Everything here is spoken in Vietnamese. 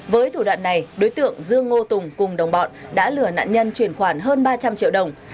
với thủ đoạn này đối tượng dương ngô tùng cùng đồng bọn đã lừa nạn nhân chuyển khoản hơn ba trăm linh triệu đồng